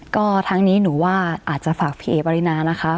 ก็ทั้งนี้หนูว่าอาจจะฝากพี่เอ๋ปรินานะคะ